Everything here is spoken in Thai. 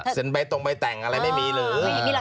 เสนใบตรงใบแต่งอะไรไม่มีหรือ